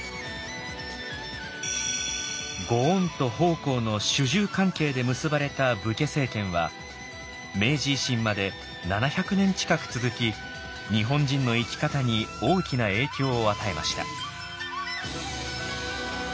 「御恩と奉公」の主従関係で結ばれた武家政権は明治維新まで７００年近く続き日本人の生き方に大きな影響を与えました。